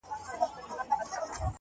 غټ غټ راته ګوري ستا تصویر خبري نه کوي,